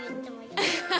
アハハハ！